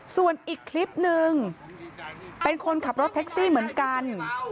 ส่วนอีกคลิปนึงเป็นคนขับรถแท็กซี่เหมือนกัน